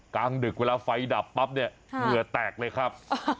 กลางดึกเวลาไฟดับปั๊บเนี่ยเหงื่อแตกเลยครับ